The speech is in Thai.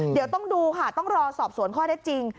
เดี๋ยวต้องดูค่ะต้องรอสอบสวนข้อได้จริง